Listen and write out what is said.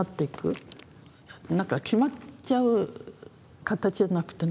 なんか決まっちゃうカタチじゃなくてね